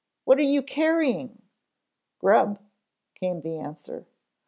"What are you carrying?" "Grub," came the answer.